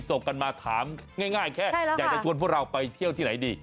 ส่งกันมาถามง่ายแค่อยากจะชวนพวกเราไปเที่ยวที่ไหนดี